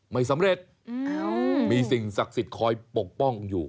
ไม่สำเร็จมีสิ่งศักดิ์สิทธิ์คอยปกป้องอยู่